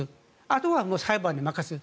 あとは裁判に任せる。